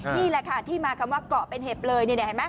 นี่แหละค่ะที่มาคำว่าเกาะเป็นเห็บเลยนี่เห็นไหม